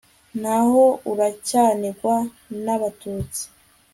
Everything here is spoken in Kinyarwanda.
Naho uracyanigwa nAbatutsi